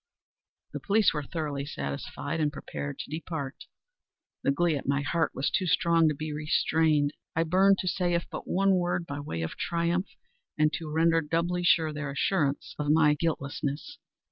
The police were thoroughly satisfied and prepared to depart. The glee at my heart was too strong to be restrained. I burned to say if but one word, by way of triumph, and to render doubly sure their assurance of my guiltlessness.